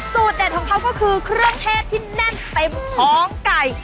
เด็ดของเขาก็คือเครื่องเทศที่แน่นเต็มท้องไก่